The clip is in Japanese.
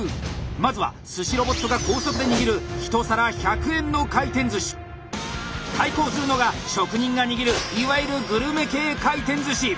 まずは寿司ロボットが高速で握る対抗するのが職人が握るいわゆる「グルメ系回転寿司」。